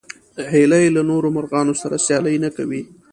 هیلۍ له نورو مرغانو سره سیالي نه کوي